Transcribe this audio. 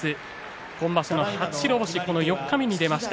今場所の初白星四日目に出ました。